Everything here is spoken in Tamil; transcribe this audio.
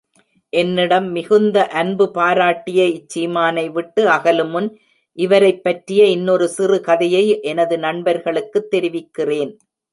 என்னிடம் மிகுந்த அன்பு பாராட்டிய இச்சீமானை விட்டு அகலுமுன் இவரைப்பற்றிய இன்னொரு சிறு கதையை எனது நண்பர்களுக்குத் தெரிவிக்கிறேன்.